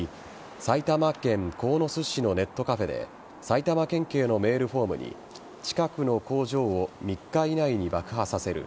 埼玉県鴻巣市のネットカフェで埼玉県警のメールフォームに近くの工場を３日以内に爆破させる。